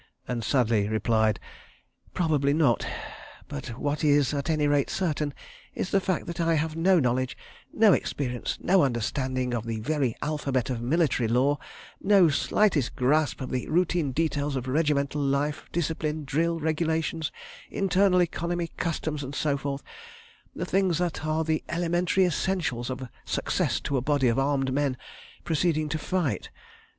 and sadly replied: "Probably not—but what is, at any rate, certain, is the fact that I have no knowledge, no experience, no understanding of the very alphabet of military lore, no slightest grasp of the routine details of regimental life, discipline, drill, regulations, internal economy, customs, and so forth—the things that are the elementary essentials of success to a body of armed men proceeding to fight."